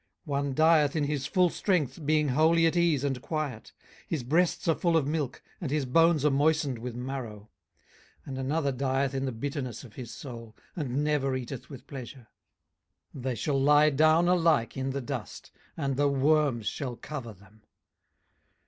18:021:023 One dieth in his full strength, being wholly at ease and quiet. 18:021:024 His breasts are full of milk, and his bones are moistened with marrow. 18:021:025 And another dieth in the bitterness of his soul, and never eateth with pleasure. 18:021:026 They shall lie down alike in the dust, and the worms shall cover them.